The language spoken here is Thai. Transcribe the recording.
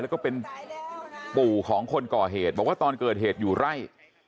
แล้วก็เป็นปู่ของคนก่อเหตุบอกว่าตอนเกิดเหตุอยู่ไร่